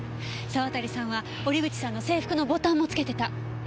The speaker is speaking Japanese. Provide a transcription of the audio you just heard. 沢渡さんは折口さんの制服のボタンもつけてた。